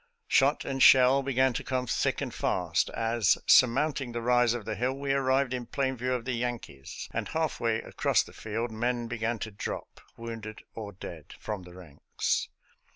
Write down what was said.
" Shot and shell began to come thick and fast as, surmounting the rise of the hill, we arrived in plain view of the Yankees, and half way across the field men began to drop, wounded or dead, from the ranks.